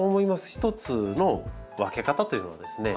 一つの分け方というのはですね